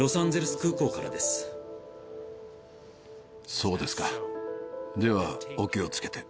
そうですかではお気を付けて。